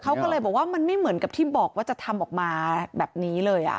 เขาก็เลยบอกว่ามันไม่เหมือนกับที่บอกว่าจะทำออกมาแบบนี้เลย